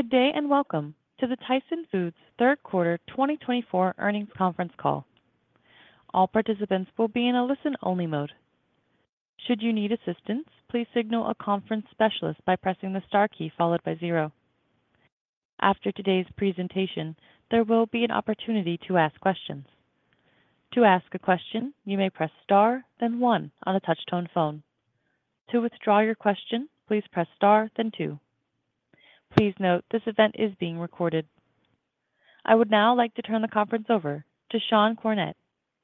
Good day and welcome to the Tyson Foods Third Quarter 2024 Earnings Conference Call. All participants will be in a listen-only mode. Should you need assistance, please signal a conference specialist by pressing the star key followed by zero. After today's presentation, there will be an opportunity to ask questions. To ask a question, you may press star, then one on a Touch-Tone phone. To withdraw your question, please press star, then two. Please note this event is being recorded. I would now like to turn the conference over to Sean Cornett,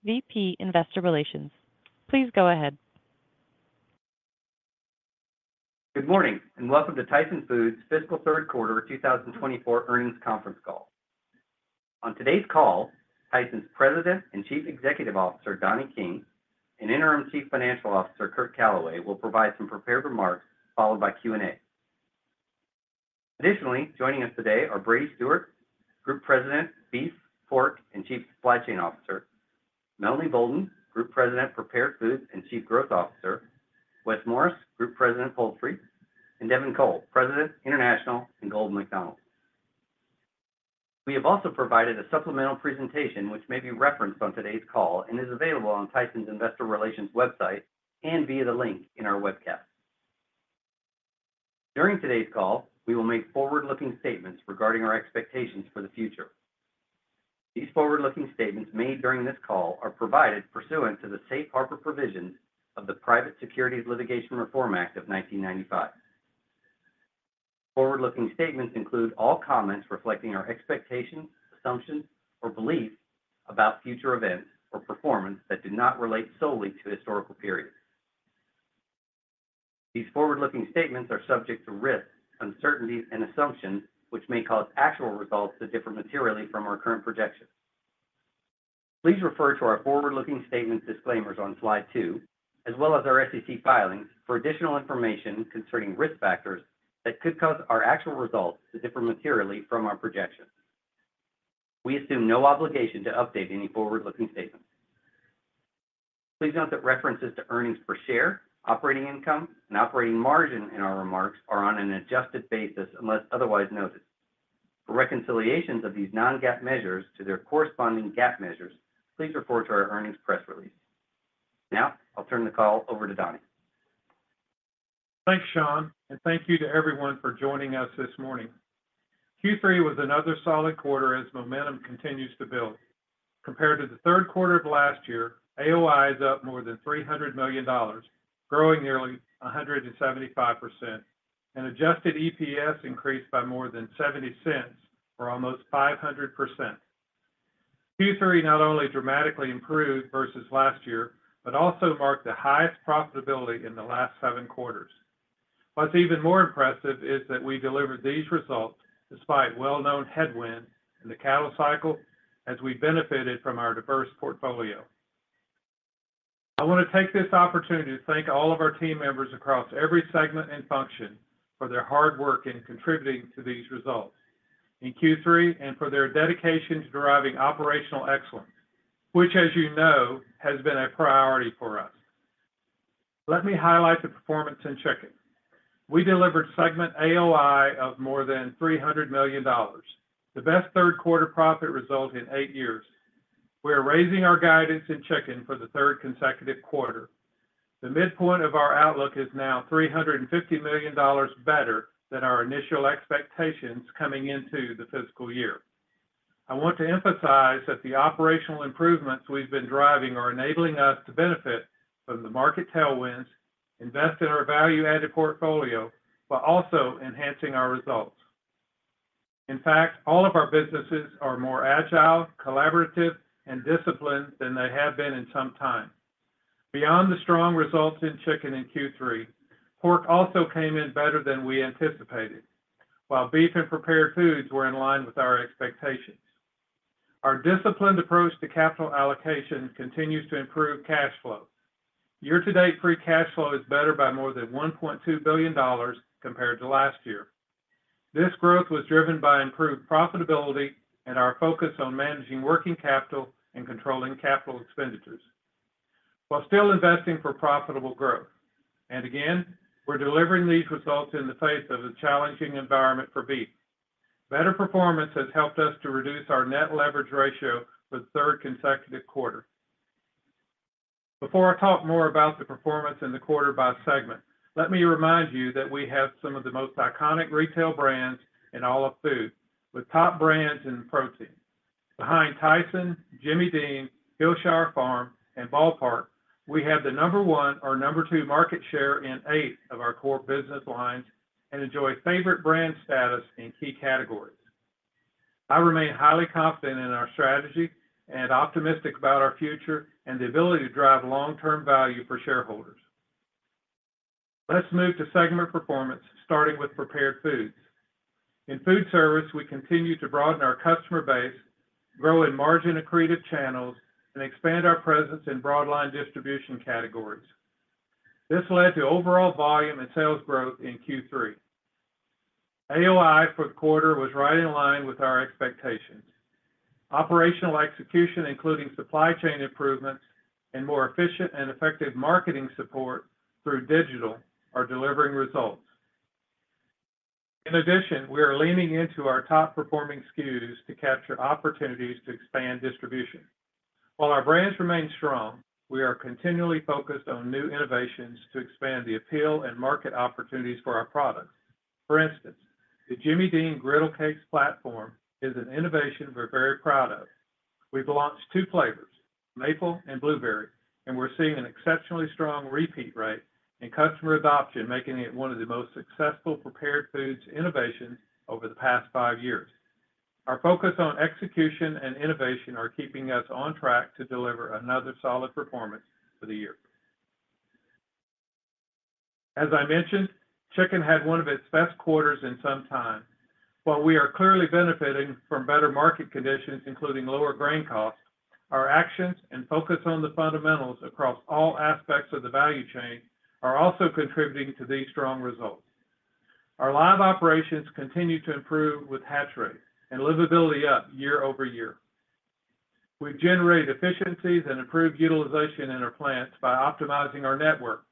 VP Investor Relations. Please go ahead. Good morning and welcome to Tyson Foods' Fiscal Third Quarter 2024 Earnings Conference Call. On today's call, Tyson's President and Chief Executive Officer, Donnie King, and Interim Chief Financial Officer, Curt Calaway, will provide some prepared remarks followed by Q&A. Additionally, joining us today are Brady Stewart, Group President, Beef, Pork, and Chief Supply Chain Officer; Melanie Boulden, Group President, Prepared Foods and Chief Growth Officer; Wes Morris, Group President, Poultry; and Devin Cole, President, International and Global McDonald's. We have also provided a supplemental presentation which may be referenced on today's call and is available on Tyson's Investor Relations website and via the link in our webcast. During today's call, we will make forward-looking statements regarding our expectations for the future. These forward-looking statements made during this call are provided pursuant to the safe harbor provisions of the Private Securities Litigation Reform Act of 1995. Forward-looking statements include all comments reflecting our expectations, assumptions, or beliefs about future events or performance that do not relate solely to historical periods. These forward-looking statements are subject to risks, uncertainties, and assumptions which may cause actual results to differ materially from our current projections. Please refer to our forward-looking statement disclaimers on slide two, as well as our SEC filings, for additional information concerning risk factors that could cause our actual results to differ materially from our projections. We assume no obligation to update any forward-looking statements. Please note that references to earnings per share, operating income, and operating margin in our remarks are on an adjusted basis unless otherwise noted. For reconciliations of these non-GAAP measures to their corresponding GAAP measures, please refer to our earnings press release. Now, I'll turn the call over to Donnie. Thanks, Sean, and thank you to everyone for joining us this morning. Q3 was another solid quarter as momentum continues to build. Compared to the third quarter of last year, AOI is up more than $300 million, growing nearly 175%, and adjusted EPS increased by more than $0.70 for almost 500%. Q3 not only dramatically improved versus last year but also marked the highest profitability in the last seven quarters. What's even more impressive is that we delivered these results despite well-known headwinds in the cattle cycle as we benefited from our diverse portfolio. I want to take this opportunity to thank all of our team members across every segment and function for their hard work in contributing to these results in Q3 and for their dedication to driving operational excellence, which, as you know, has been a priority for us. Let me highlight the performance in Chicken. We delivered segment AOI of more than $300 million, the best third quarter profit result in eight years. We are raising our guidance in Chicken for the third consecutive quarter. The midpoint of our outlook is now $350 million better than our initial expectations coming into the fiscal year. I want to emphasize that the operational improvements we've been driving are enabling us to benefit from the market tailwinds, invest in our value-added portfolio, while also enhancing our results. In fact, all of our businesses are more agile, collaborative, and disciplined than they have been in some time. Beyond the strong results in Chicken in Q3, Pork also came in better than we anticipated, while Beef and Prepared Foods were in line with our expectations. Our disciplined approach to capital allocation continues to improve cash flow. Year-to-date free cash flow is better by more than $1.2 billion compared to last year. This growth was driven by improved profitability and our focus on managing working capital and controlling capital expenditures, while still investing for profitable growth. And again, we're delivering these results in the face of a challenging environment for Beef. Better performance has helped us to reduce our net leverage ratio for the third consecutive quarter. Before I talk more about the performance in the quarter by segment, let me remind you that we have some of the most iconic retail brands in all of food, with top brands in protein. Behind Tyson, Jimmy Dean, Hillshire Farm, and Ball Park, we have the number one or number two market share in eight of our core business lines and enjoy favorite brand status in key categories. I remain highly confident in our strategy and optimistic about our future and the ability to drive long-term value for shareholders. Let's move to segment performance, starting with Prepared Foods. In food service, we continue to broaden our customer base, grow in margin accretive channels, and expand our presence in broadline distribution categories. This led to overall volume and sales growth in Q3. AOI for the quarter was right in line with our expectations. Operational execution, including supply chain improvements and more efficient and effective marketing support through digital, are delivering results. In addition, we are leaning into our top-performing SKUs to capture opportunities to expand distribution. While our brands remain strong, we are continually focused on new innovations to expand the appeal and market opportunities for our products. For instance, the Jimmy Dean Griddle Cakes platform is an innovation we're very proud of. We've launched two flavors, maple and blueberry, and we're seeing an exceptionally strong repeat rate and customer adoption, making it one of the most successful prepared foods innovations over the past five years. Our focus on execution and innovation are keeping us on track to deliver another solid performance for the year. As I mentioned, Chicken had one of its best quarters in some time. While we are clearly benefiting from better market conditions, including lower grain costs, our actions and focus on the fundamentals across all aspects of the value chain are also contributing to these strong results. Our live operations continue to improve with hatch rate and livability up year-over-year. We've generated efficiencies and improved utilization in our plants by optimizing our network.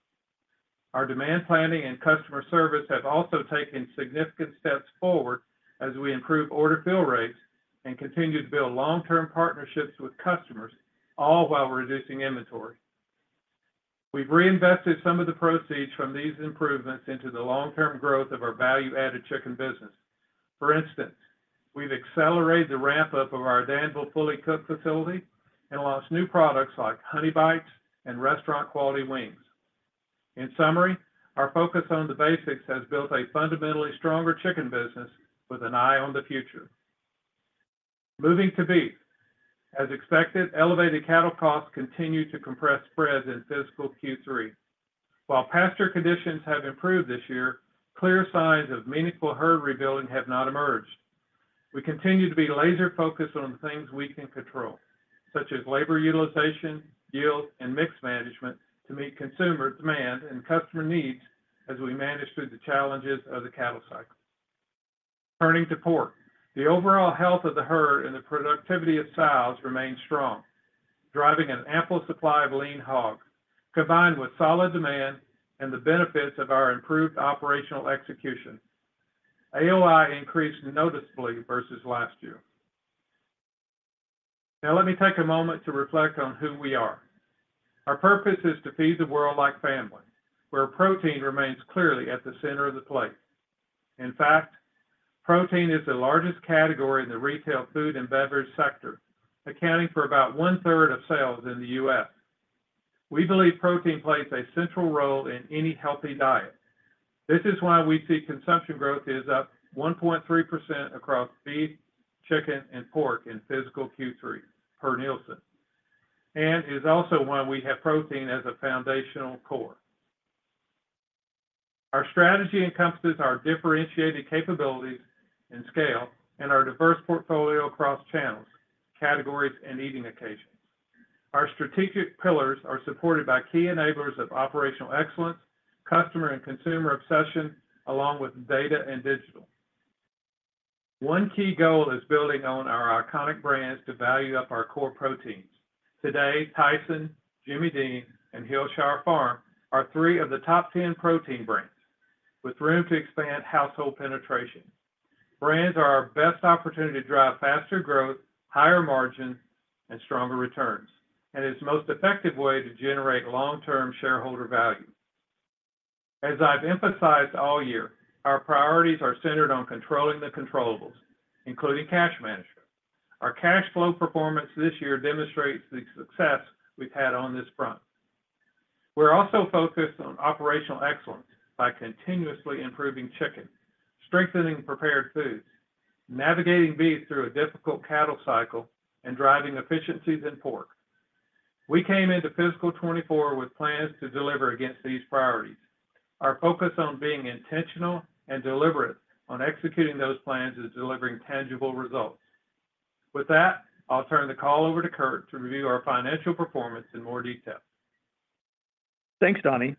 Our demand planning and customer service have also taken significant steps forward as we improve order fill rates and continue to build long-term partnerships with customers, all while reducing inventory. We've reinvested some of the proceeds from these improvements into the long-term growth of our value-added Chicken business. For instance, we've accelerated the ramp-up of our Danville fully cooked facility and launched new products like honey bites and restaurant-quality wings. In summary, our focus on the basics has built a fundamentally stronger Chicken business with an eye on the future. Moving to Beef. As expected, elevated cattle costs continue to compress spreads in fiscal Q3. While pasture conditions have improved this year, clear signs of meaningful herd rebuilding have not emerged. We continue to be laser-focused on the things we can control, such as labor utilization, yield, and mix management to meet consumer demand and customer needs as we manage through the challenges of the cattle cycle. Turning to Pork, the overall health of the herd and the productivity of sows remains strong, driving an ample supply of lean hog, combined with solid demand and the benefits of our improved operational execution. AOI increased noticeably versus last year. Now, let me take a moment to reflect on who we are. Our purpose is to feed the world like family, where protein remains clearly at the center of the plate. In fact, protein is the largest category in the retail food and beverage sector, accounting for about one-third of sales in the U.S. We believe protein plays a central role in any healthy diet. This is why we see consumption growth is up 1.3% across Beef, Chicken, and Pork in fiscal Q3, per Nielsen, and is also why we have protein as a foundational core. Our strategy encompasses our differentiated capabilities and scale and our diverse portfolio across channels, categories, and eating occasions. Our strategic pillars are supported by key enablers of operational excellence, customer and consumer obsession, along with data and digital. One key goal is building on our iconic brands to value up our core proteins. Today, Tyson, Jimmy Dean, and Hillshire Farm are three of the top 10 protein brands, with room to expand household penetration. Brands are our best opportunity to drive faster growth, higher margins, and stronger returns, and it's the most effective way to generate long-term shareholder value. As I've emphasized all year, our priorities are centered on controlling the controllable, including cash management. Our cash flow performance this year demonstrates the success we've had on this front. We're also focused on operational excellence by continuously improving Chicken, strengthening Prepared Foods, navigating Beef through a difficult cattle cycle, and driving efficiencies in Pork. We came into fiscal 2024 with plans to deliver against these priorities. Our focus on being intentional and deliberate on executing those plans is delivering tangible results. With that, I'll turn the call over to Curt to review our financial performance in more detail. Thanks, Donnie.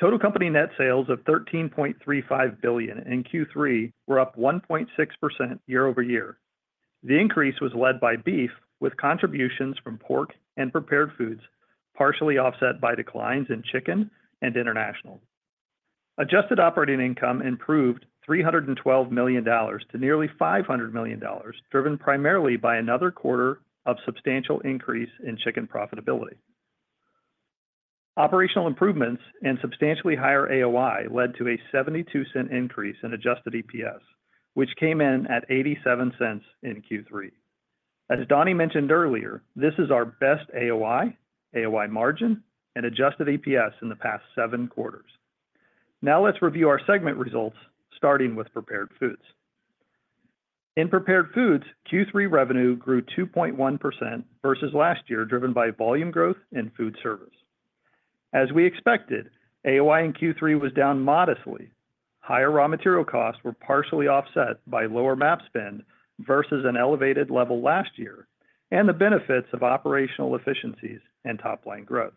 Total company net sales of $13.35 billion in Q3 were up 1.6% year-over-year. The increase was led by Beef, with contributions from Pork and Prepared Foods, partially offset by declines in Chicken and International. Adjusted operating income improved $312 million to nearly $500 million, driven primarily by another quarter of substantial increase in Chicken profitability. Operational improvements and substantially higher AOI led to a $0.72 increase in adjusted EPS, which came in at $0.87 in Q3. As Donnie mentioned earlier, this is our best AOI, AOI margin, and adjusted EPS in the past seven quarters. Now, let's review our segment results, starting with Prepared Foods. In Prepared Foods, Q3 revenue grew 2.1% versus last year, driven by volume growth in food service. As we expected, AOI in Q3 was down modestly. Higher raw material costs were partially offset by lower MAP spend versus an elevated level last year and the benefits of operational efficiencies and top-line growth.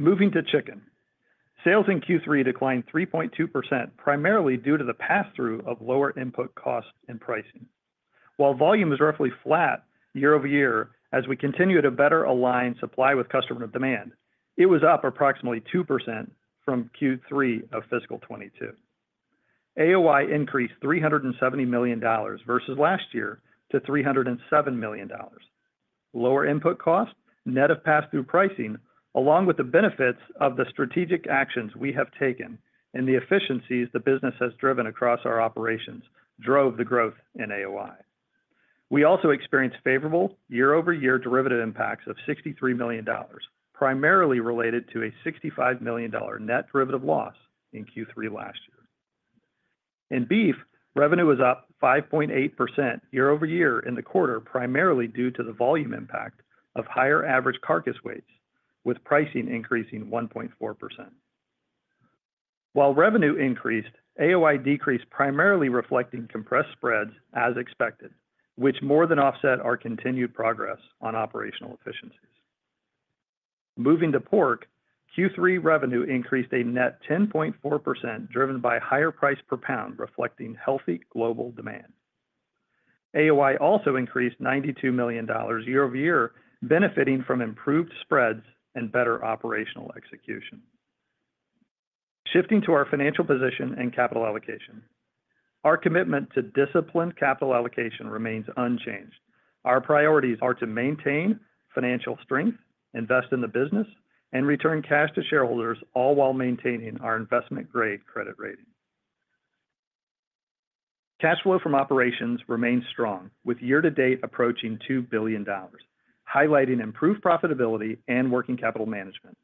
Moving to Chicken, sales in Q3 declined 3.2%, primarily due to the pass-through of lower input costs and pricing. While volume is roughly flat year-over-year, as we continue to better align supply with customer demand, it was up approximately 2% from Q3 of fiscal 2022. AOI increased $370 million versus last year to $307 million. Lower input costs, net of pass-through pricing, along with the benefits of the strategic actions we have taken and the efficiencies the business has driven across our operations, drove the growth in AOI. We also experienced favorable year-over-year derivative impacts of $63 million, primarily related to a $65 million net derivative loss in Q3 last year. In Beef, revenue was up 5.8% year-over-year in the quarter, primarily due to the volume impact of higher average carcass weights, with pricing increasing 1.4%. While revenue increased, AOI decreased, primarily reflecting compressed spreads as expected, which more than offset our continued progress on operational efficiencies. Moving to Pork, Q3 revenue increased a net 10.4%, driven by higher price per pound, reflecting healthy global demand. AOI also increased $92 million year-over-year, benefiting from improved spreads and better operational execution. Shifting to our financial position and capital allocation, our commitment to disciplined capital allocation remains unchanged. Our priorities are to maintain financial strength, invest in the business, and return cash to shareholders, all while maintaining our investment-grade credit rating. Cash flow from operations remains strong, with year-to-date approaching $2 billion, highlighting improved profitability and working capital management.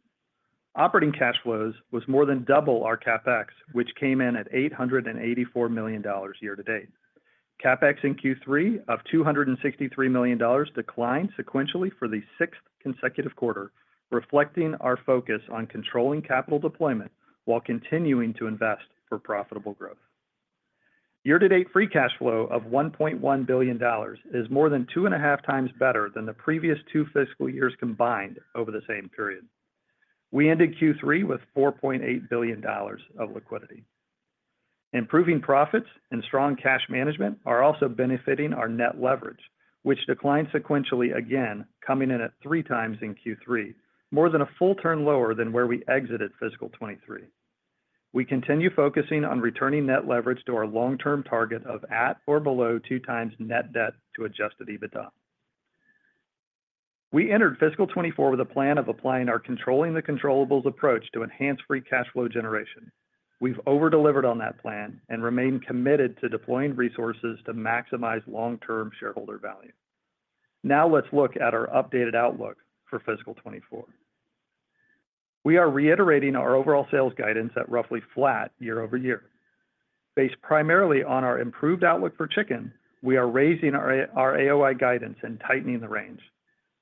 Operating cash flows was more than double our CapEx, which came in at $884 million year-to-date. CapEx in Q3 of $263 million declined sequentially for the sixth consecutive quarter, reflecting our focus on controlling capital deployment while continuing to invest for profitable growth. Year-to-date free cash flow of $1.1 billion is more than 2.5x better than the previous two fiscal years combined over the same period. We ended Q3 with $4.8 billion of liquidity. Improving profits and strong cash management are also benefiting our net leverage, which declined sequentially again, coming in at 3x in Q3, more than a full turn lower than where we exited fiscal 2023. We continue focusing on returning net leverage to our long-term target of at or below 2x net debt to adjusted EBITDA. We entered fiscal 2024 with a plan of applying our controlling the controllables approach to enhance free cash flow generation. We've over-delivered on that plan and remained committed to deploying resources to maximize long-term shareholder value. Now, let's look at our updated outlook for fiscal 2024. We are reiterating our overall sales guidance at roughly flat year-over-year. Based primarily on our improved outlook for Chicken, we are raising our AOI guidance and tightening the range.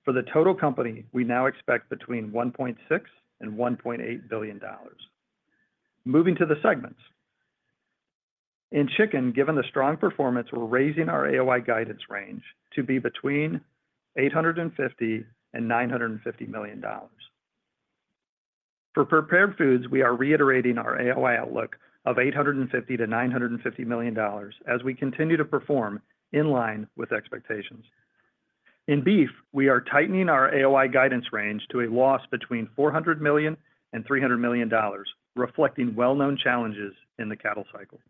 For the total company, we now expect between $1.6 and $1.8 billion. Moving to the segments. In Chicken, given the strong performance, we're raising our AOI guidance range to be between $850 and $950 million. For Prepared Foods, we are reiterating our AOI outlook of $850-$950 million as we continue to perform in line with expectations. In Beef, we are tightening our AOI guidance range to a loss between $400 million and $300 million, reflecting well-known challenges in the cattle cycle.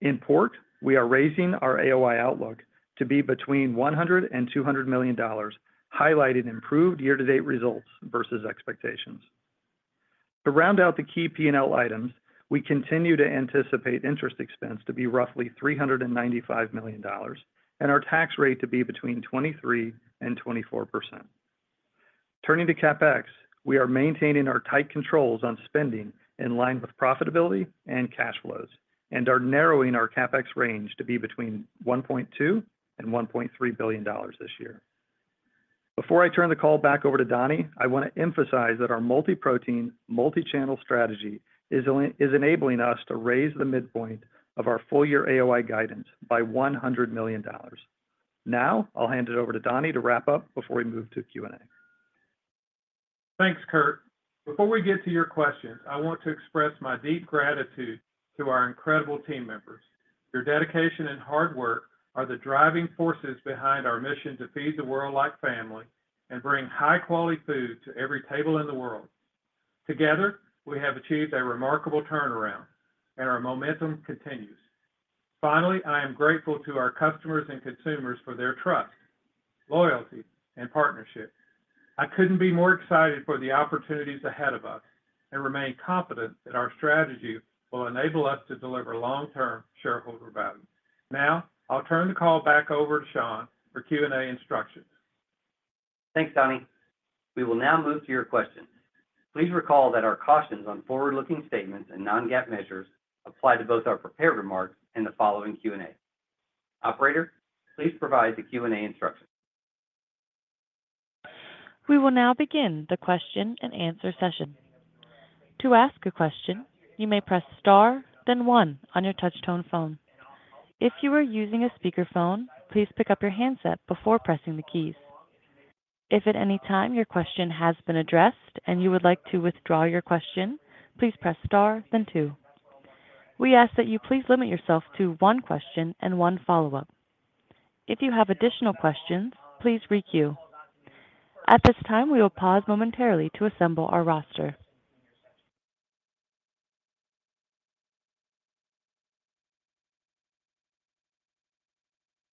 In Pork, we are raising our AOI outlook to be between $100 and $200 million, highlighting improved year-to-date results versus expectations. To round out the key P&L items, we continue to anticipate interest expense to be roughly $395 million and our tax rate to be between 23% and 24%. Turning to CapEx, we are maintaining our tight controls on spending in line with profitability and cash flows and are narrowing our CapEx range to be between $1.2 and $1.3 billion this year. Before I turn the call back over to Donnie, I want to emphasize that our multi-protein, multi-channel strategy is enabling us to raise the midpoint of our full-year AOI guidance by $100 million. Now, I'll hand it over to Donnie to wrap up before we move to Q&A. Thanks, Curt. Before we get to your questions, I want to express my deep gratitude to our incredible team members. Your dedication and hard work are the driving forces behind our mission to feed the world like family and bring high-quality food to every table in the world. Together, we have achieved a remarkable turnaround, and our momentum continues. Finally, I am grateful to our customers and consumers for their trust, loyalty, and partnership. I couldn't be more excited for the opportunities ahead of us and remain confident that our strategy will enable us to deliver long-term shareholder value. Now, I'll turn the call back over to Sean for Q&A instructions. Thanks, Donnie. We will now move to your questions. Please recall that our cautions on forward-looking statements and non-GAAP measures apply to both our prepared remarks and the following Q&A. Operator, please provide the Q&A instructions. We will now begin the question-and-answer session. To ask a question, you may press star, then one on your touch-tone phone. If you are using a speakerphone, please pick up your handset before pressing the keys. If at any time your question has been addressed and you would like to withdraw your question, please press star, then two. We ask that you please limit yourself to one question and one follow-up. If you have additional questions, please requeue. At this time, we will pause momentarily to assemble our roster.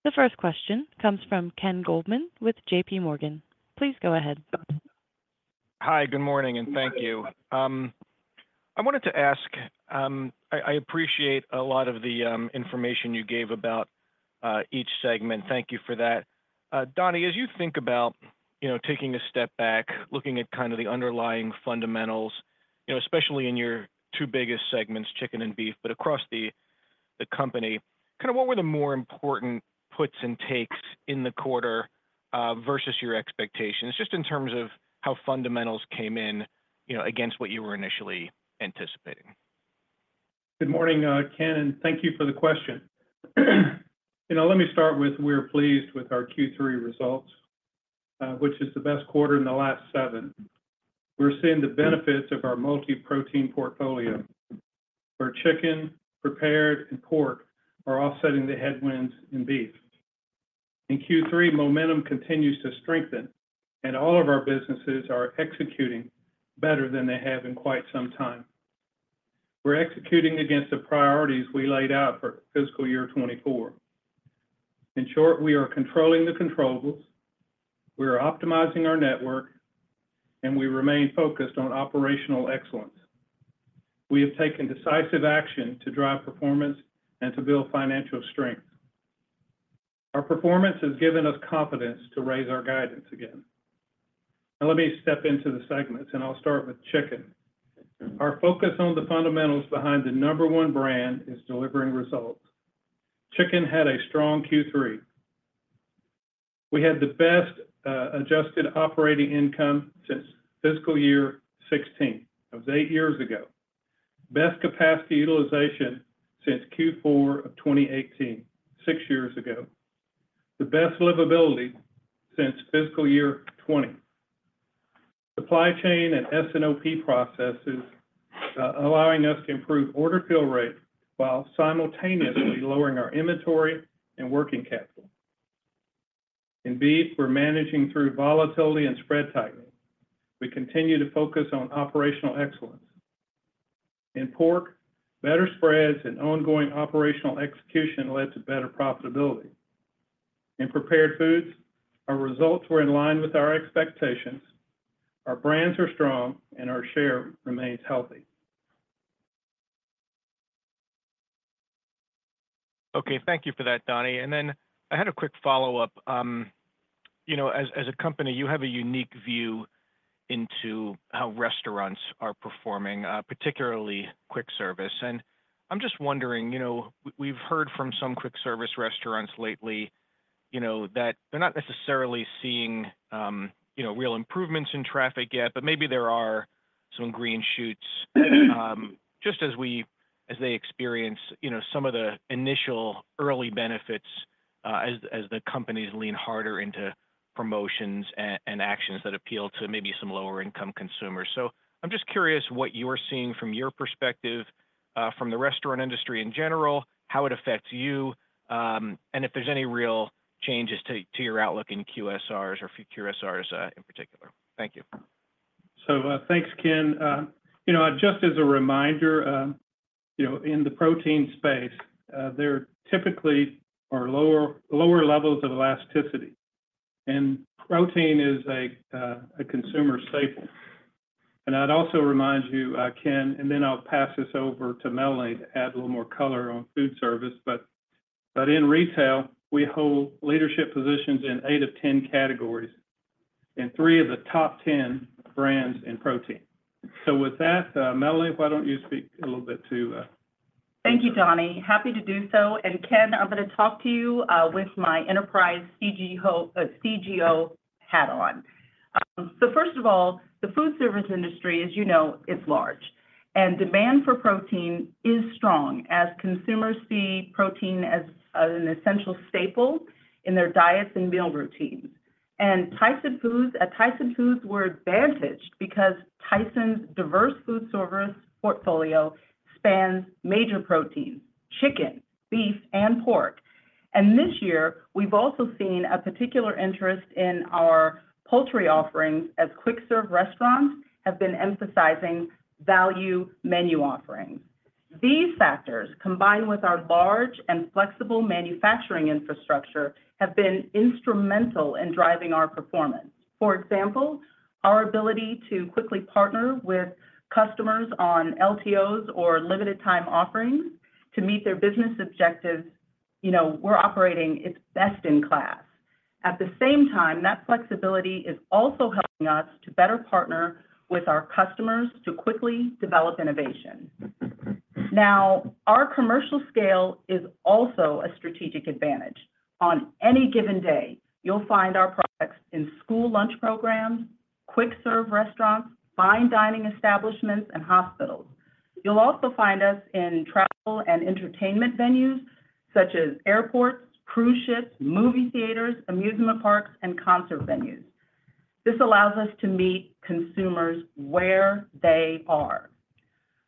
The first question comes from Ken Goldman with JPMorgan. Please go ahead. Hi, good morning, and thank you. I wanted to ask, I appreciate a lot of the information you gave about each segment. Thank you for that. Donnie, as you think about taking a step back, looking at kind of the underlying fundamentals, especially in your two biggest segments, Chicken and Beef, but across the company, kind of what were the more important puts and takes in the quarter versus your expectations, just in terms of how fundamentals came in against what you were initially anticipating? Good morning, Ken, and thank you for the question. Let me start with, we're pleased with our Q3 results, which is the best quarter in the last seven. We're seeing the benefits of our multi-protein portfolio. Our Chicken, Prepared, and Pork are offsetting the headwinds in Beef. In Q3, momentum continues to strengthen, and all of our businesses are executing better than they have in quite some time. We're executing against the priorities we laid out for fiscal year 2024. In short, we are controlling the controllables. We are optimizing our network, and we remain focused on operational excellence. We have taken decisive action to drive performance and to build financial strength. Our performance has given us confidence to raise our guidance again. Now, let me step into the segments, and I'll start with Chicken. Our focus on the fundamentals behind the number one brand is delivering results. Chicken had a strong Q3. We had the best adjusted operating income since fiscal year 2016. That was 8 years ago. Best capacity utilization since Q4 of 2018, 6 years ago. The best livability since fiscal year 2020. Supply chain and S&OP processes allowing us to improve order fill rate while simultaneously lowering our inventory and working capital. In Beef, we're managing through volatility and spread tightening. We continue to focus on operational excellence. In Pork, better spreads and ongoing operational execution led to better profitability. In Prepared Foods, our results were in line with our expectations. Our brands are strong, and our share remains healthy. Okay, thank you for that, Donnie. And then I had a quick follow-up. As a company, you have a unique view into how restaurants are performing, particularly quick service. And I'm just wondering, we've heard from some quick service restaurants lately that they're not necessarily seeing real improvements in traffic yet, but maybe there are some green shoots just as they experience some of the initial early benefits as the companies lean harder into promotions and actions that appeal to maybe some lower-income consumers. So I'm just curious what you're seeing from your perspective from the restaurant industry in general, how it affects you, and if there's any real changes to your outlook in QSRs or QSRs in particular. Thank you. Thanks, Ken. Just as a reminder, in the protein space, there typically are lower levels of elasticity. Protein is a consumer staple. I'd also remind you, Ken, and then I'll pass this over to Melanie to add a little more color on food service. In retail, we hold leadership positions in 8 of 10 categories in 3 of the top 10 brands in protein. With that, Melanie, why don't you speak a little bit to. Thank you, Donnie. Happy to do so. Ken, I'm going to talk to you with my enterprise CGO hat on. So first of all, the food service industry, as you know, is large. Demand for protein is strong as consumers see protein as an essential staple in their diets and meal routines. Tyson Foods were advantaged because Tyson's diverse food service portfolio spans major proteins: chicken, beef, and pork. This year, we've also seen a particular interest in our poultry offerings as quick-serve restaurants have been emphasizing value menu offerings. These factors, combined with our large and flexible manufacturing infrastructure, have been instrumental in driving our performance. For example, our ability to quickly partner with customers on LTOs or limited-time offerings to meet their business objectives. We're operating at best in class. At the same time, that flexibility is also helping us to better partner with our customers to quickly develop innovation. Now, our commercial scale is also a strategic advantage. On any given day, you'll find our products in school lunch programs, quick-serve restaurants, fine dining establishments, and hospitals. You'll also find us in travel and entertainment venues such as airports, cruise ships, movie theaters, amusement parks, and concert venues. This allows us to meet consumers where they are.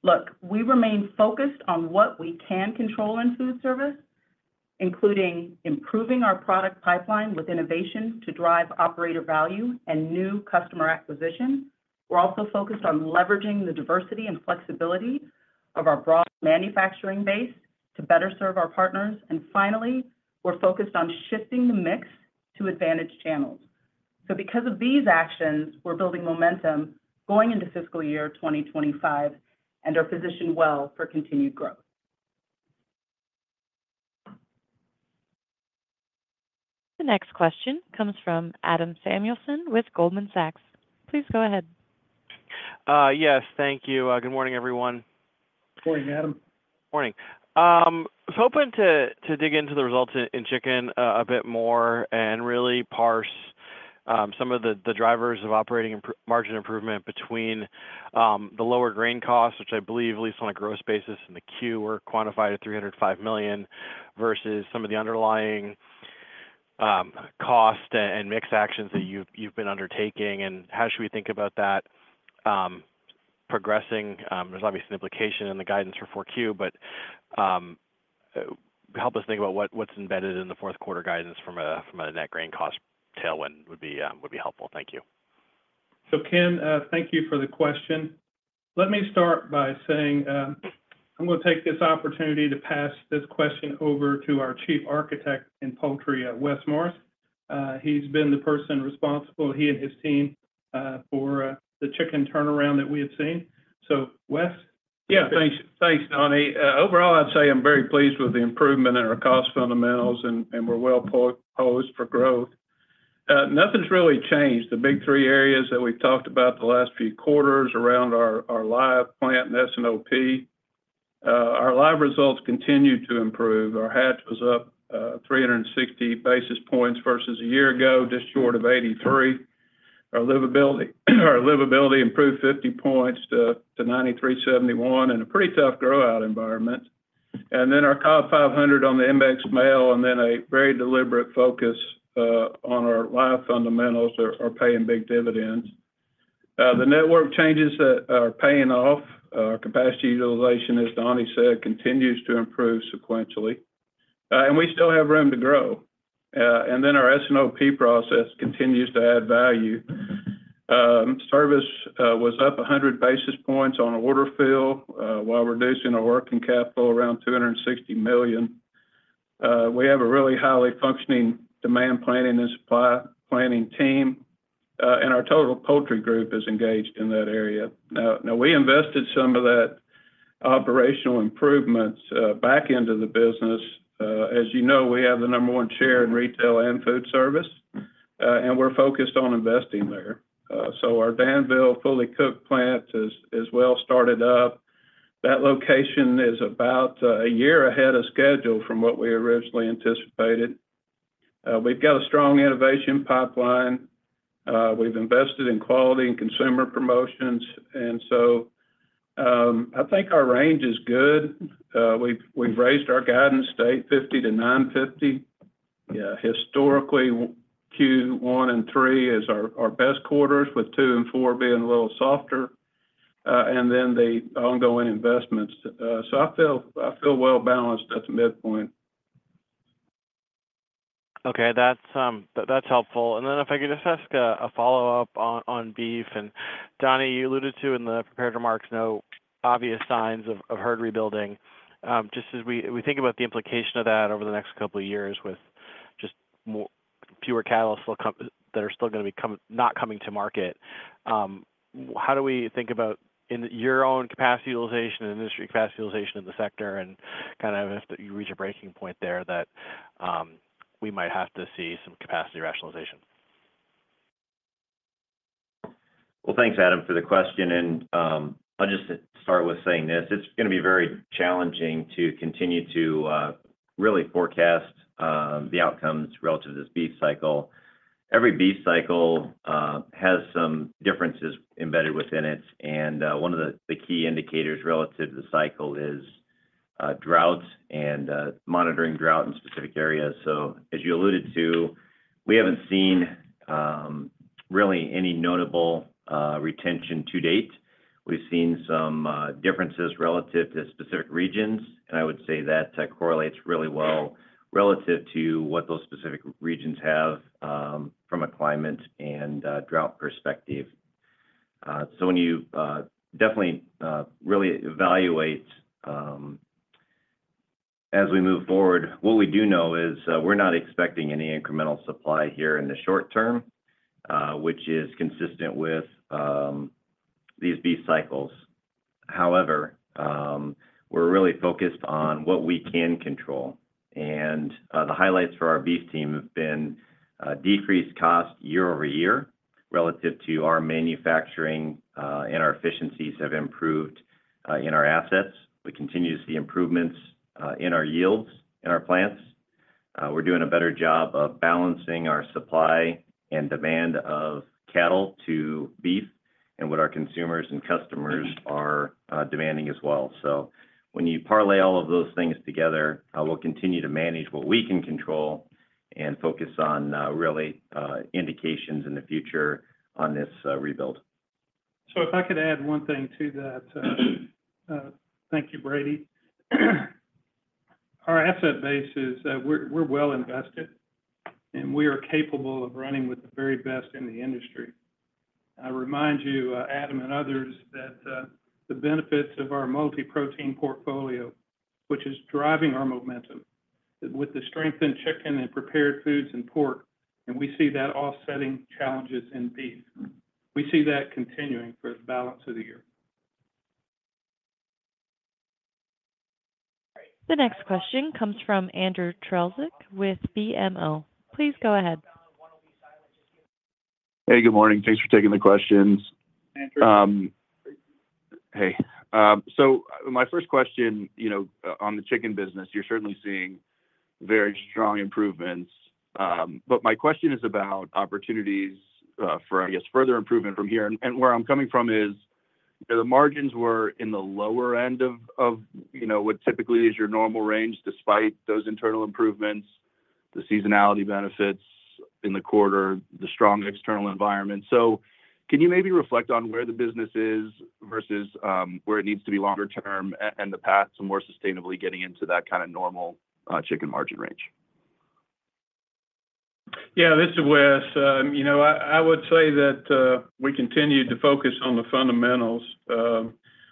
Look, we remain focused on what we can control in food service, including improving our product pipeline with innovation to drive operator value and new customer acquisition. We're also focused on leveraging the diversity and flexibility of our broad manufacturing base to better serve our partners. And finally, we're focused on shifting the mix to advantage channels. Because of these actions, we're building momentum going into fiscal year 2025 and are positioned well for continued growth. The next question comes from Adam Samuelson with Goldman Sachs. Please go ahead. Yes, thank you. Good morning, everyone. Morning, Adam. Morning. I was hoping to dig into the results in Chicken a bit more and really parse some of the drivers of operating margin improvement between the lower grain costs, which I believe, at least on a gross basis, in the quarter were quantified at $305 million versus some of the underlying cost and mix actions that you've been undertaking. How should we think about that progressing? There's obviously an implication in the guidance for 4Q, but help us think about what's embedded in the fourth quarter guidance from a net grain cost tailwind would be helpful. Thank you. Ken, thank you for the question. Let me start by saying I'm going to take this opportunity to pass this question over to our Chief Architect in Poultry, Wes Morris. He's been the person responsible, he and his team, for the Chicken turnaround that we have seen. So Wes. Yeah, thanks, Donnie. Overall, I'd say I'm very pleased with the improvement in our cost fundamentals, and we're well-positioned for growth. Nothing's really changed. The big three areas that we've talked about the last few quarters around our live, plant and S&OP, our live results continue to improve. Our hatch was up 360 basis points versus a year ago, just short of 83%. Our livability improved 50 points to 93.71% in a pretty tough grow-out environment. And then our Cobb 500 on the index male and then a very deliberate focus on our live fundamentals are paying big dividends. The network changes that are paying off. Our capacity utilization, as Donnie said, continues to improve sequentially. And we still have room to grow. And then our S&OP process continues to add value. Service was up 100 basis points on order fill while reducing our working capital around $260 million. We have a really highly functioning demand planning and supply planning team. Our total poultry group is engaged in that area. Now, we invested some of that operational improvements back into the business. As you know, we have the number one share in retail and food service, and we're focused on investing there. So our Danville fully cooked plant is well started up. That location is about a year ahead of schedule from what we originally anticipated. We've got a strong innovation pipeline. We've invested in quality and consumer promotions. So I think our range is good. We've raised our guidance to $850-$950. Historically, Q1 and Q3 are our best quarters, with Q2 and Q4 being a little softer. Then the ongoing investments. So I feel well-balanced at the midpoint. Okay, that's helpful. And then if I could just ask a follow-up on Beef. And Donnie, you alluded to in the prepared remarks no obvious signs of herd rebuilding. Just as we think about the implication of that over the next couple of years with just fewer cattle that are still going to be not coming to market, how do we think about your own capacity utilization and industry capacity utilization in the sector and kind of if you reach a breaking point there that we might have to see some capacity rationalization? Well, thanks, Adam, for the question. I'll just start with saying this. It's going to be very challenging to continue to really forecast the outcomes relative to this beef cycle. Every beef cycle has some differences embedded within it. One of the key indicators relative to the cycle is drought and monitoring drought in specific areas. As you alluded to, we haven't seen really any notable retention to date. We've seen some differences relative to specific regions. I would say that correlates really well relative to what those specific regions have from a climate and drought perspective. When you definitely really evaluate as we move forward, what we do know is we're not expecting any incremental supply here in the short term, which is consistent with these beef cycles. However, we're really focused on what we can control. The highlights for our Beef team have been decreased cost year-over-year relative to our manufacturing, and our efficiencies have improved in our assets. We continue to see improvements in our yields in our plants. We're doing a better job of balancing our supply and demand of cattle to beef and what our consumers and customers are demanding as well. So when you parlay all of those things together, we'll continue to manage what we can control and focus on really indications in the future on this rebuild. So if I could add one thing to that, thank you, Brady. Our asset base is we're well invested, and we are capable of running with the very best in the industry. I remind you, Adam and others, that the benefits of our multi-protein portfolio, which is driving our momentum with the strengthened Chicken and Prepared Foods and Pork, and we see that offsetting challenges in Beef. We see that continuing for the balance of the year. The next question comes from Andrew Strelzik with BMO. Please go ahead. Hey, good morning. Thanks for taking the questions. Hey. So my first question on the Chicken business, you're certainly seeing very strong improvements. But my question is about opportunities for, I guess, further improvement from here. And where I'm coming from is the margins were in the lower end of what typically is your normal range despite those internal improvements, the seasonality benefits in the quarter, the strong external environment. So can you maybe reflect on where the business is versus where it needs to be longer term and the path to more sustainably getting into that kind of normal Chicken margin range? Yeah, this is Wes. I would say that we continue to focus on the fundamentals.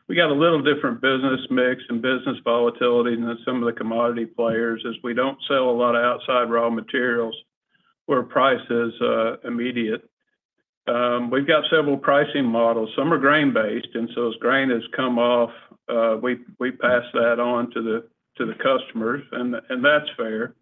We got a little different business mix and business volatility than some of the commodity players as we don't sell a lot of outside raw materials where price is immediate. We've got several pricing models. Some are grain-based. And so as grain has come off, we pass that on to the customers. And that's fair.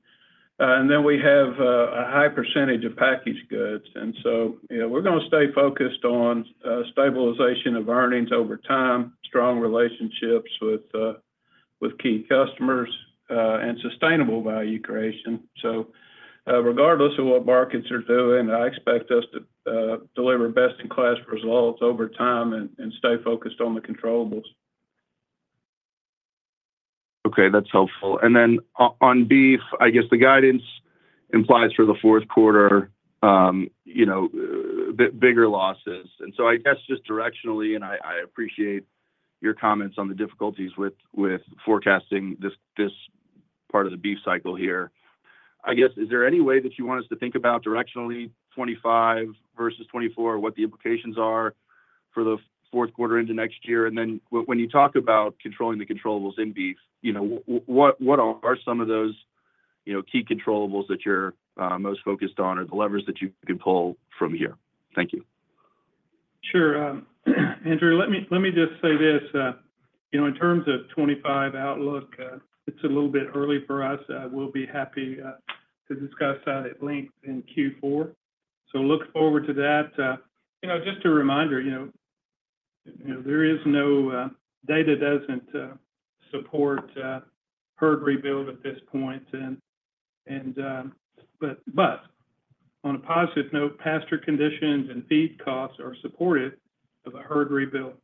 And then we have a high percentage of packaged goods. And so we're going to stay focused on stabilization of earnings over time, strong relationships with key customers, and sustainable value creation. So regardless of what markets are doing, I expect us to deliver best-in-class results over time and stay focused on the controllable. Okay, that's helpful. And then on Beef, I guess the guidance implies for the fourth quarter, bigger losses. And so I guess just directionally, and I appreciate your comments on the difficulties with forecasting this part of the beef cycle here. I guess, is there any way that you want us to think about directionally 2025 versus 2024, what the implications are for the fourth quarter into next year? And then when you talk about controlling the controllable in Beef, what are some of those key controllable that you're most focused on or the levers that you can pull from here? Thank you. Sure. Andrew, let me just say this. In terms of 2025 outlook, it's a little bit early for us. We'll be happy to discuss that at length in Q4. So look forward to that. Just a reminder, there is no data that doesn't support herd rebuild at this point. But on a positive note, pasture conditions and feed costs are supportive of a herd rebuild.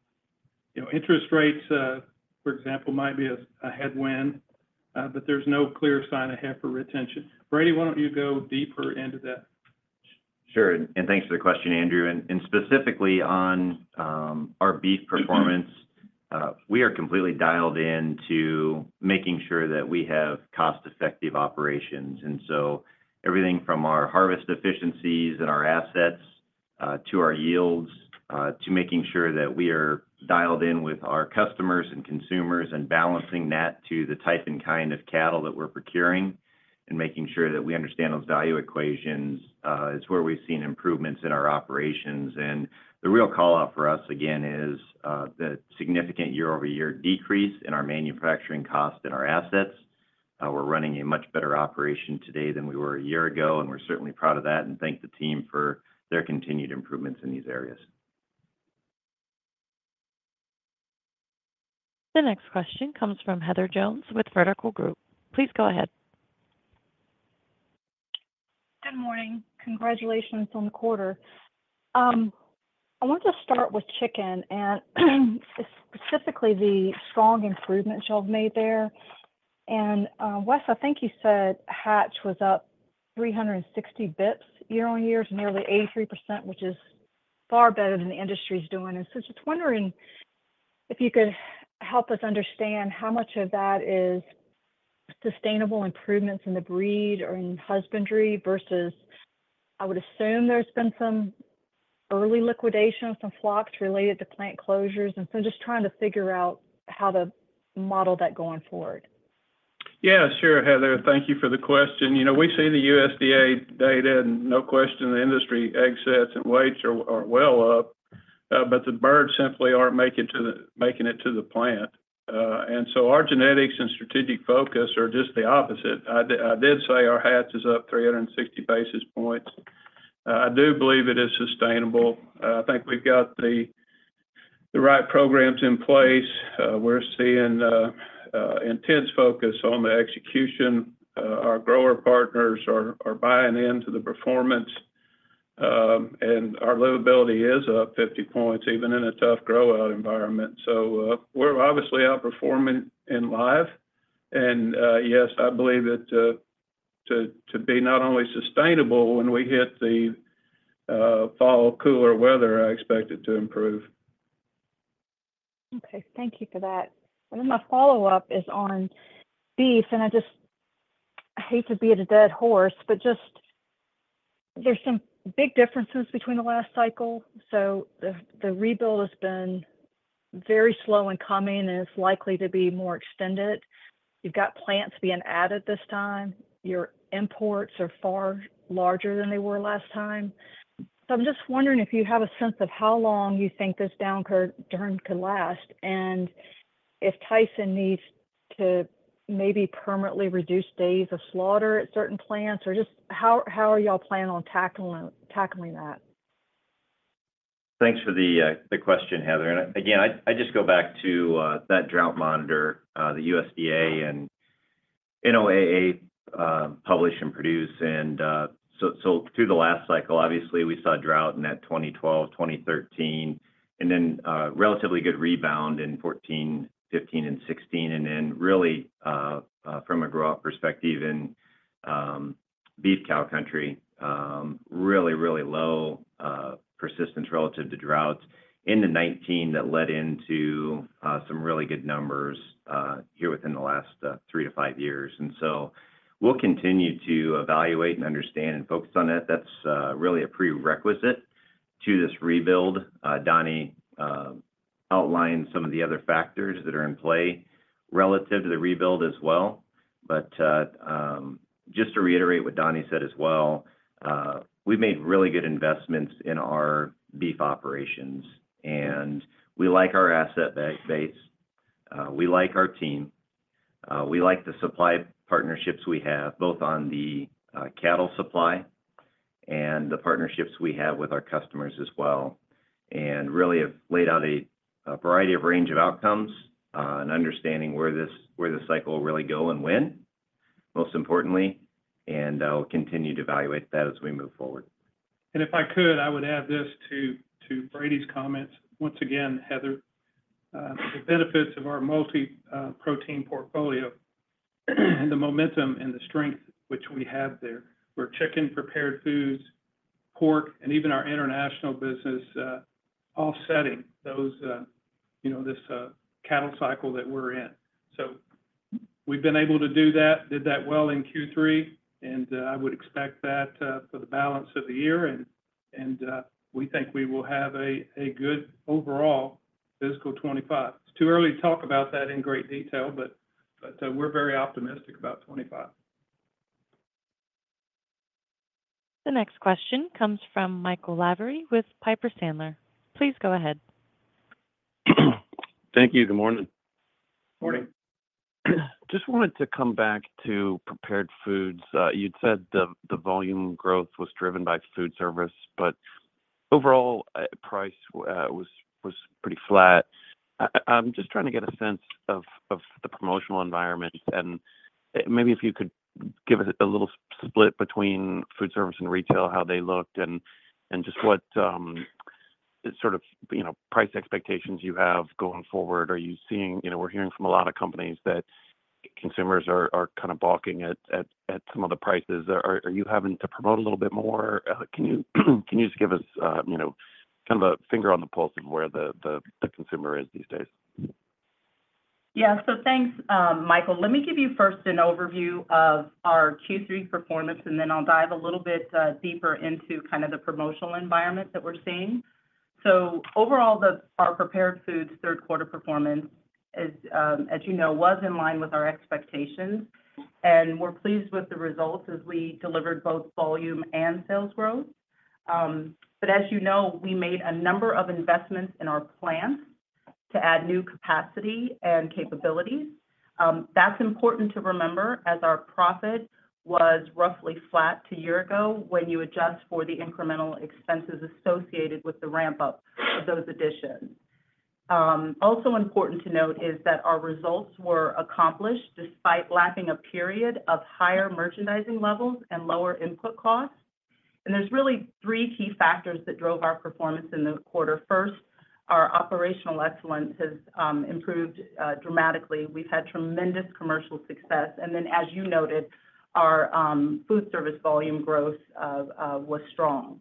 Interest rates, for example, might be a headwind, but there's no clear sign of heifer retention. Brady, why don't you go deeper into that? Sure. And thanks for the question, Andrew. And specifically on our beef performance, we are completely dialed into making sure that we have cost-effective operations. And so everything from our harvest efficiencies and our assets to our yields to making sure that we are dialed in with our customers and consumers and balancing that to the type and kind of cattle that we're procuring and making sure that we understand those value equations is where we've seen improvements in our operations. And the real call-out for us, again, is the significant year-over-year decrease in our manufacturing costs and our assets. We're running a much better operation today than we were a year ago, and we're certainly proud of that and thank the team for their continued improvements in these areas. The next question comes from Heather Jones with Vertical Group. Please go ahead. Good morning. Congratulations on the quarter. I want to start with Chicken and specifically the strong improvements you all've made there. Wes, I think you said hatch was up 360 basis points year-on-year, nearly 83%, which is far better than the industry is doing. So just wondering if you could help us understand how much of that is sustainable improvements in the breed or in husbandry versus I would assume there's been some early liquidation of some flocks related to plant closures. Just trying to figure out how to model that going forward. Yeah, sure, Heather. Thank you for the question. We see the USDA data, and no question, the industry egg sets and weights are well up, but the birds simply aren't making it to the plant. And so our genetics and strategic focus are just the opposite. I did say our hatch is up 360 basis points. I do believe it is sustainable. I think we've got the right programs in place. We're seeing intense focus on the execution. Our grower partners are buying into the performance, and our livability is up 50 points even in a tough grow-out environment. So we're obviously outperforming in live. And yes, I believe it to be not only sustainable when we hit the fall, cooler weather, I expect it to improve. Okay, thank you for that. And then my follow-up is on Beef. And I just hate to beat a dead horse, but just, there's some big differences between the last cycle. So the rebuild has been very slow in coming and is likely to be more extended. You've got plants being added this time. Your imports are far larger than they were last time. So I'm just wondering if you have a sense of how long you think this downturn could last and if Tyson needs to maybe permanently reduce days of slaughter at certain plants or just how are y'all planning on tackling that? Thanks for the question, Heather. And again, I just go back to that drought monitor, the USDA and NOAA publish and produce. And so through the last cycle, obviously, we saw drought in that 2012, 2013, and then relatively good rebound in 2014, 2015, and 2016. And then really from a grow-out perspective in beef cow country, really, really low persistence relative to drought in the 2019 that led into some really good numbers here within the last three to five years. And so we'll continue to evaluate and understand and focus on that. That's really a prerequisite to this rebuild. Donnie outlined some of the other factors that are in play relative to the rebuild as well. But just to reiterate what Donnie said as well, we've made really good investments in our Beef operations, and we like our asset base. We like our team. We like the supply partnerships we have, both on the cattle supply and the partnerships we have with our customers as well. And really have laid out a variety of range of outcomes and understanding where the cycle will really go and win, most importantly. And I'll continue to evaluate that as we move forward. If I could, I would add this to Brady's comments. Once again, Heather, the benefits of our multi-protein portfolio and the momentum and the strength which we have there, where Chicken, Prepared Foods, Pork, and even our International business are offsetting this cattle cycle that we're in. We've been able to do that, did that well in Q3, and I would expect that for the balance of the year. We think we will have a good overall fiscal 2025. It's too early to talk about that in great detail, but we're very optimistic about 2025. The next question comes from Michael Lavery with Piper Sandler. Please go ahead. Thank you. Good morning. Morning. Just wanted to come back to Prepared Foods. You'd said the volume growth was driven by food service, but overall price was pretty flat. I'm just trying to get a sense of the promotional environment. Maybe if you could give us a little split between food service and retail, how they looked and just what sort of price expectations you have going forward. Are you seeing we're hearing from a lot of companies that consumers are kind of balking at some of the prices? Are you having to promote a little bit more? Can you just give us kind of a finger on the pulse of where the consumer is these days? Yeah. So thanks, Michael. Let me give you first an overview of our Q3 performance, and then I'll dive a little bit deeper into kind of the promotional environment that we're seeing. So overall, our Prepared Foods third quarter performance, as you know, was in line with our expectations. And we're pleased with the results as we delivered both volume and sales growth. But as you know, we made a number of investments in our plants to add new capacity and capabilities. That's important to remember as our profit was roughly flat two years ago when you adjust for the incremental expenses associated with the ramp-up of those additions. Also important to note is that our results were accomplished despite lacking a period of higher merchandising levels and lower input costs. And there's really three key factors that drove our performance in the quarter. First, our operational excellence has improved dramatically. We've had tremendous commercial success. And then, as you noted, our food service volume growth was strong.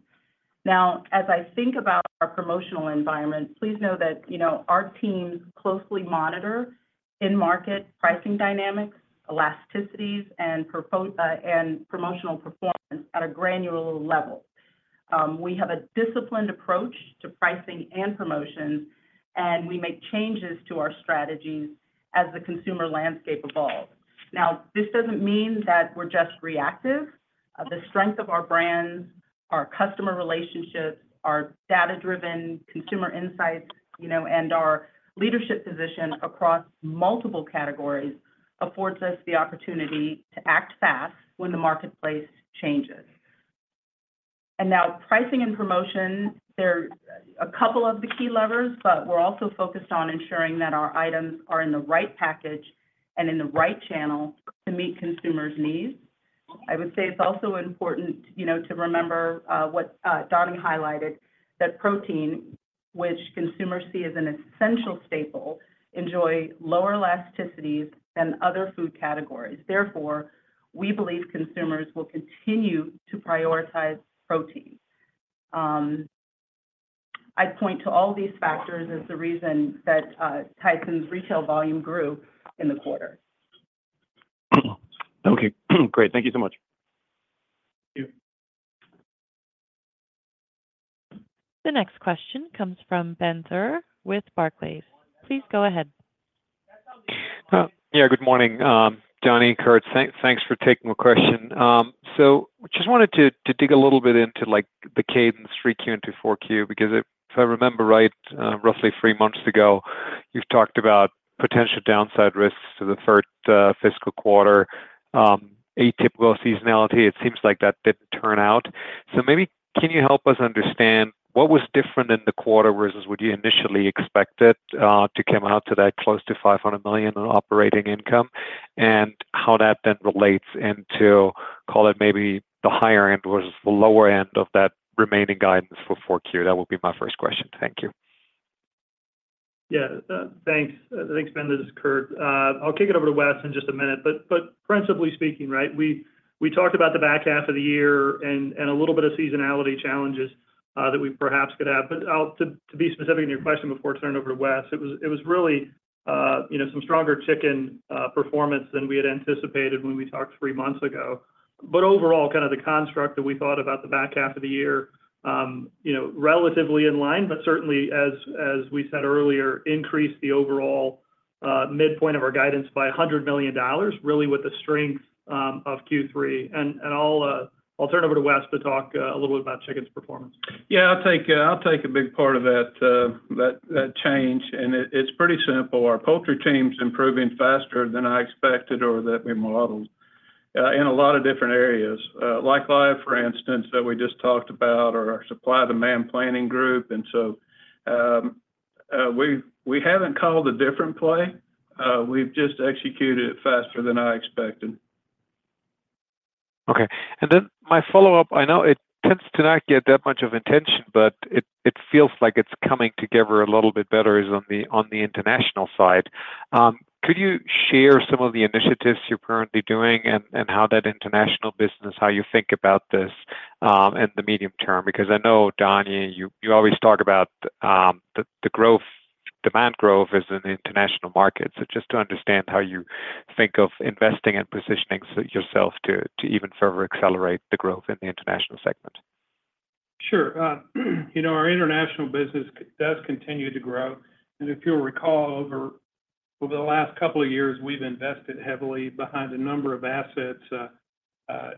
Now, as I think about our promotional environment, please know that our teams closely monitor in-market pricing dynamics, elasticities, and promotional performance at a granular level. We have a disciplined approach to pricing and promotions, and we make changes to our strategies as the consumer landscape evolves. Now, this doesn't mean that we're just reactive. The strength of our brands, our customer relationships, our data-driven consumer insights, and our leadership position across multiple categories affords us the opportunity to act fast when the marketplace changes. And now, pricing and promotion, there are a couple of the key levers, but we're also focused on ensuring that our items are in the right package and in the right channel to meet consumers' needs. I would say it's also important to remember what Donnie highlighted, that protein, which consumers see as an essential staple, enjoys lower elasticities than other food categories. Therefore, we believe consumers will continue to prioritize protein. I'd point to all these factors as the reason that Tyson's retail volume grew in the quarter. Okay. Great. Thank you so much. Thank you. The next question comes from Ben Theurer with Barclays. Please go ahead. Yeah, good morning. Donnie, Curt, thanks for taking the question. So I just wanted to dig a little bit into the cadence 3Q into 4Q because if I remember right, roughly three months ago, you've talked about potential downside risks to the first fiscal quarter, atypical seasonality. It seems like that didn't turn out. So maybe can you help us understand what was different in the quarter versus what you initially expected to come out to that close to $500 million in operating income and how that then relates into, call it maybe the higher end versus the lower end of that remaining guidance for 4Q? That would be my first question. Thank you. Yeah. Thanks, Ben this is Curt. I'll kick it over to Wes in just a minute. But principally speaking, right, we talked about the back half of the year and a little bit of seasonality challenges that we perhaps could have. But to be specific in your question before I turn it over to Wes, it was really some stronger Chicken performance than we had anticipated when we talked three months ago. But overall, kind of the construct that we thought about the back half of the year, relatively in line, but certainly, as we said earlier, increased the overall midpoint of our guidance by $100 million, really with the strength of Q3. And I'll turn it over to Wes to talk a little bit about Chicken's performance. Yeah, I'll take a big part of that change. And it's pretty simple. Our poultry team's improving faster than I expected or that we modeled in a lot of different areas. Like live, for instance, that we just talked about, or our supply-demand planning group. And so we haven't called a different play. We've just executed it faster than I expected. Okay. And then my follow-up, I know it tends to not get that much of attention, but it feels like it's coming together a little bit better on the International side. Could you share some of the initiatives you're currently doing and how that International business, how you think about this in the medium term? Because I know, Donnie, you always talk about the demand growth as an international market. So just to understand how you think of investing and positioning yourself to even further accelerate the growth in the International segment. Sure. Our International business does continue to grow. If you'll recall, over the last couple of years, we've invested heavily behind a number of assets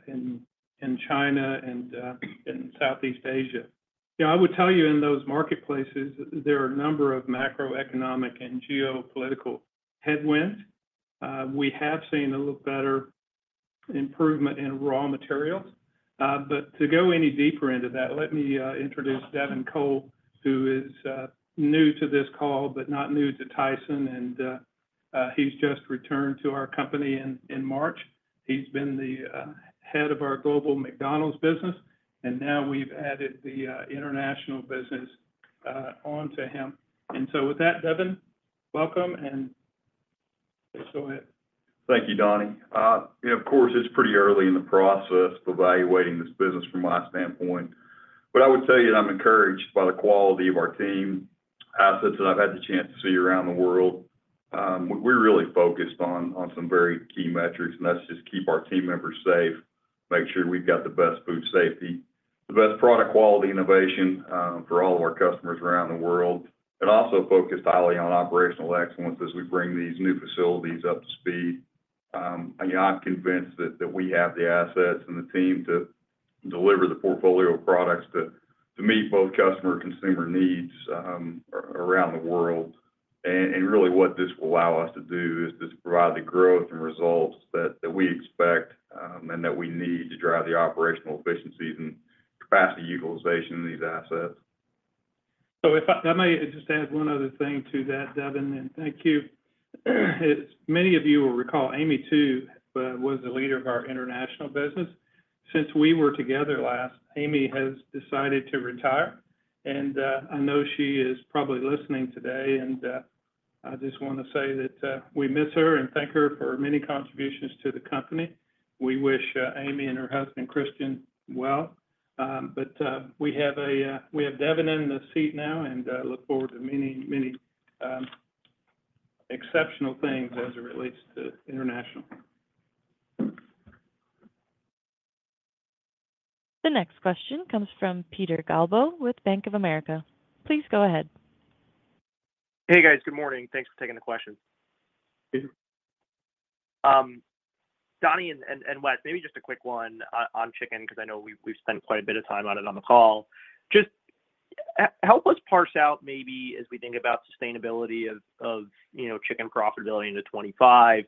in China and in Southeast Asia. I would tell you in those marketplaces, there are a number of macroeconomic and geopolitical headwinds. We have seen a little better improvement in raw materials. To go any deeper into that, let me introduce Devin Cole, who is new to this call but not new to Tyson. He's just returned to our company in March. He's been the head of our global McDonald's business, and now we've added the International business onto him. With that, Devin, welcome. And please go ahead. Thank you, Donnie. Of course, it's pretty early in the process of evaluating this business from my standpoint. But I would tell you that I'm encouraged by the quality of our team, assets that I've had the chance to see around the world. We're really focused on some very key metrics, and that's just keep our team members safe, make sure we've got the best food safety, the best product quality innovation for all of our customers around the world, and also focused highly on operational excellence as we bring these new facilities up to speed. I'm convinced that we have the assets and the team to deliver the portfolio of products to meet both customer and consumer needs around the world. Really, what this will allow us to do is to provide the growth and results that we expect and that we need to drive the operational efficiencies and capacity utilization of these assets. So if I may just add one other thing to that, Devin, and thank you. Many of you will recall Amy Tu was the leader of our international business. Since we were together last, Amy Tu has decided to retire. And I know she is probably listening today, and I just want to say that we miss her and thank her for many contributions to the company. We wish Amy Tu and her husband, Christian, well. But we have Devin in the seat now and look forward to many, many exceptional things as it relates to International. The next question comes from Peter Galbo with Bank of America. Please go ahead. Hey, guys. Good morning. Thanks for taking the question. Donnie and Wes, maybe just a quick one on Chicken because I know we've spent quite a bit of time on it on the call. Just help us parse out maybe as we think about sustainability of Chicken profitability into 2025,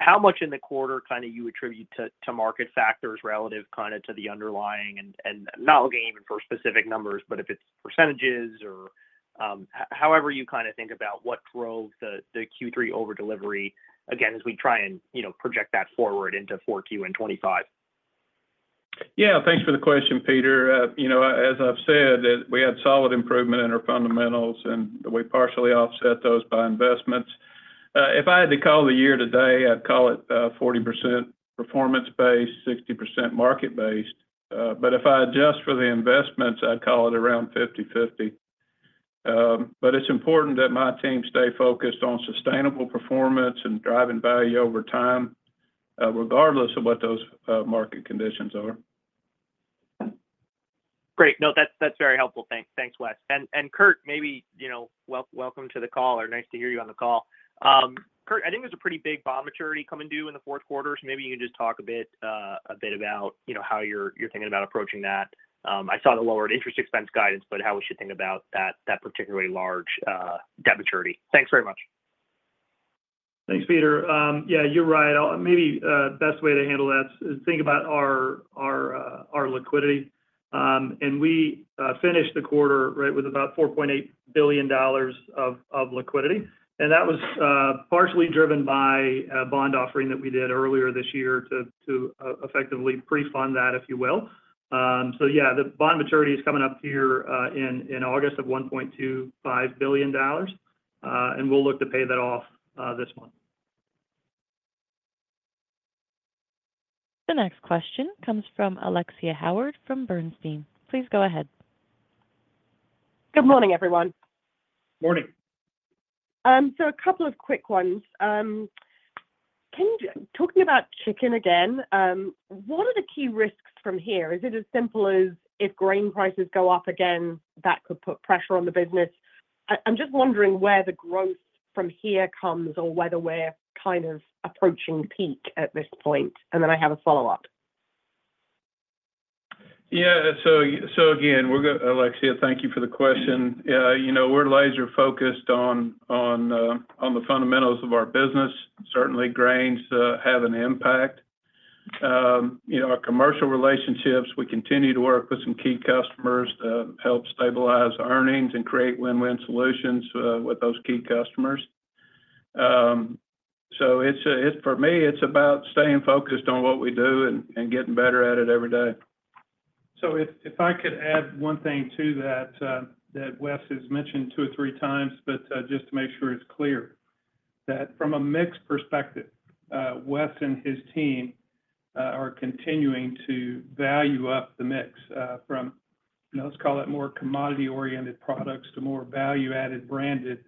how much in the quarter kind of you attribute to market factors relative kind of to the underlying and not looking even for specific numbers, but if it's percentages or however you kind of think about what drove the Q3 overdelivery, again, as we try and project that forward into 4Q and 2025. Yeah. Thanks for the question, Peter. As I've said, we had solid improvement in our fundamentals, and we partially offset those by investments. If I had to call the year today, I'd call it 40% performance-based, 60% market-based. But if I adjust for the investments, I'd call it around 50/50. But it's important that my team stay focused on sustainable performance and driving value over time, regardless of what those market conditions are. Great. No, that's very helpful. Thanks, Wes. And Curt, maybe welcome to the call or nice to hear you on the call. Curt, I think there's a pretty big bond maturity coming due in the fourth quarter. So maybe you can just talk a bit about how you're thinking about approaching that. I saw the lowered interest expense guidance, but how we should think about that particularly large debt maturity? Thanks very much. Thanks, Peter. Yeah, you're right. Maybe the best way to handle that is to think about our liquidity. We finished the quarter with about $4.8 billion of liquidity. That was partially driven by a bond offering that we did earlier this year to effectively pre-fund that, if you will. So yeah, the bond maturity is coming up here in August of $1.25 billion, and we'll look to pay that off this month. The next question comes from Alexia Howard from Bernstein. Please go ahead. Good morning, everyone. Morning. So a couple of quick ones. Talking about Chicken again, what are the key risks from here? Is it as simple as if grain prices go up again, that could put pressure on the business? I'm just wondering where the growth from here comes or whether we're kind of approaching peak at this point. And then I have a follow-up. Yeah. So again, Alexia, thank you for the question. We're laser-focused on the fundamentals of our business. Certainly, grains have an impact. Our commercial relationships, we continue to work with some key customers to help stabilize earnings and create win-win solutions with those key customers. So for me, it's about staying focused on what we do and getting better at it every day. If I could add one thing to that that Wes has mentioned two or three times, but just to make sure it's clear, that from a mix perspective, Wes and his team are continuing to value up the mix from, let's call it, more commodity-oriented products to more value-added branded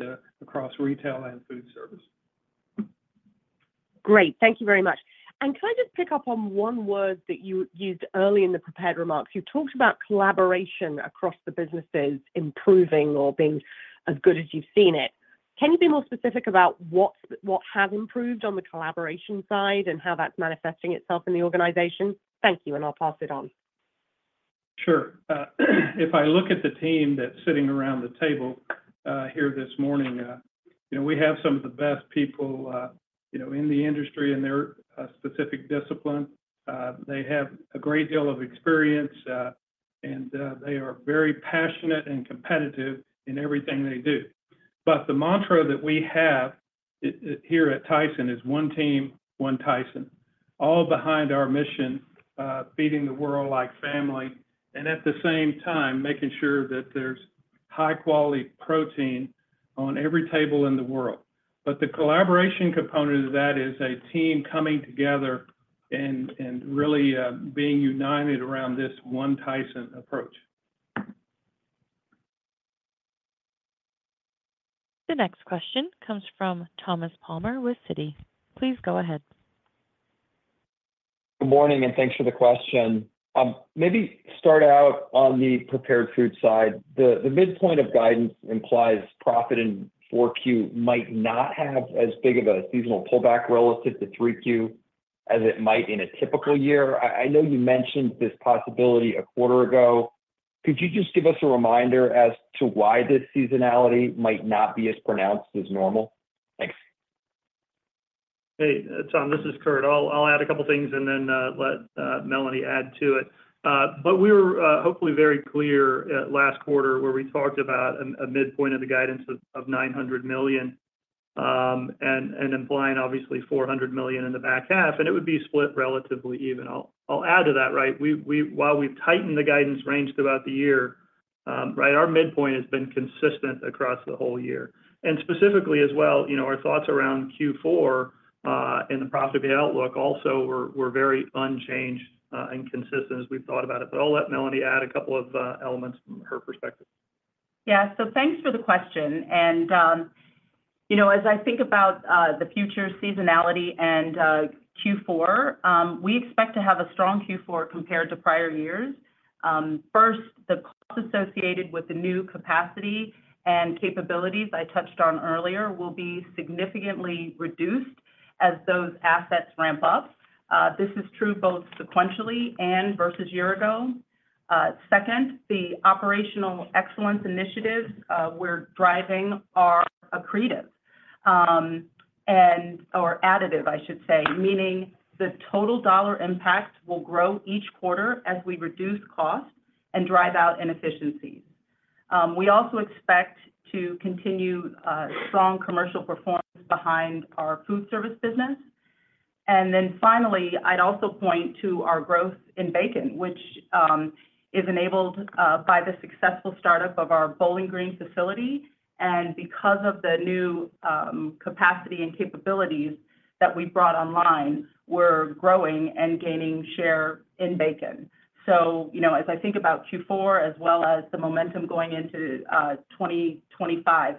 across retail and food service. Great. Thank you very much. And can I just pick up on one word that you used early in the prepared remarks? You talked about collaboration across the businesses improving or being as good as you've seen it. Can you be more specific about what has improved on the collaboration side and how that's manifesting itself in the organization? Thank you, and I'll pass it on. Sure. If I look at the team that's sitting around the table here this morning, we have some of the best people in the industry in their specific discipline. They have a great deal of experience, and they are very passionate and competitive in everything they do. But the mantra that we have here at Tyson is One Team, One Tyson, all behind our mission, feeding the world like family, and at the same time, making sure that there's high-quality protein on every table in the world. But the collaboration component of that is a team coming together and really being united around this one Tyson approach. The next question comes from Thomas Palmer with Citi. Please go ahead. Good morning, and thanks for the question. Maybe start out on the Prepared Food side. The midpoint of guidance implies profit in 4Q might not have as big of a seasonal pullback relative to 3Q as it might in a typical year. I know you mentioned this possibility a quarter ago. Could you just give us a reminder as to why this seasonality might not be as pronounced as normal? Thanks. Hey, Tom, this is Curt. I'll add a couple of things and then let Melanie add to it. But we were hopefully very clear last quarter where we talked about a midpoint of the guidance of $900 million and implying, obviously, $400 million in the back half. And it would be split relatively even. I'll add to that, right? While we've tightened the guidance range throughout the year, right, our midpoint has been consistent across the whole year. And specifically as well, our thoughts around Q4 and the profitability outlook also were very unchanged and consistent as we've thought about it. But I'll let Melanie add a couple of elements from her perspective. Yeah. Thanks for the question. As I think about the future seasonality and Q4, we expect to have a strong Q4 compared to prior years. First, the cost associated with the new capacity and capabilities I touched on earlier will be significantly reduced as those assets ramp up. This is true both sequentially and versus a year ago. Second, the operational excellence initiatives we're driving are accretive or additive, I should say, meaning the total dollar impact will grow each quarter as we reduce costs and drive out inefficiencies. We also expect to continue strong commercial performance behind our food service business. Finally, I'd also point to our growth in bacon, which is enabled by the successful startup of our Bowling Green facility. Because of the new capacity and capabilities that we brought online, we're growing and gaining share in bacon. As I think about Q4 as well as the momentum going into 2025,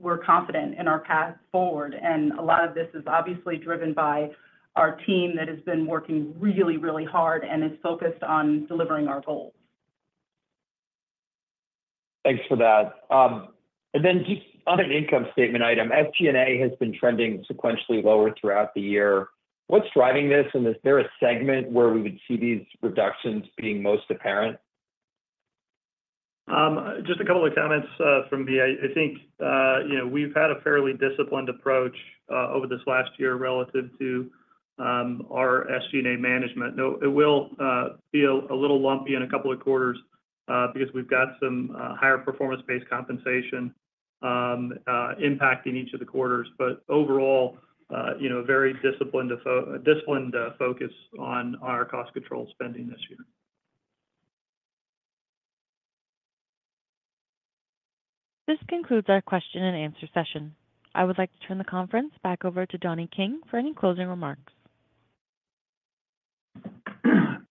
we're confident in our path forward. A lot of this is obviously driven by our team that has been working really, really hard and is focused on delivering our goals. Thanks for that. And then just on an income statement item, SG&A has been trending sequentially lower throughout the year. What's driving this? And is there a segment where we would see these reductions being most apparent? Just a couple of comments from me. I think we've had a fairly disciplined approach over this last year relative to our SG&A management. It will feel a little lumpy in a couple of quarters because we've got some higher performance-based compensation impacting each of the quarters. But overall, a very disciplined focus on our cost control spending this year. This concludes our question and answer session. I would like to turn the conference back over to Donnie King for any closing remarks.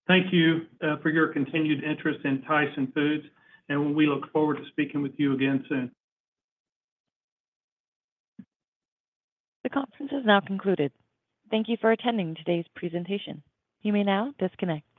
Thank you for your continued interest in Tyson Foods, and we look forward to speaking with you again soon. The conference is now concluded. Thank you for attending today's presentation. You may now disconnect.